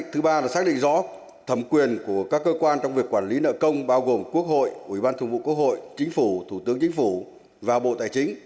thứ ba là xác định rõ thẩm quyền của các cơ quan trong việc quản lý nợ công bao gồm quốc hội ủy ban thường vụ quốc hội chính phủ thủ tướng chính phủ và bộ tài chính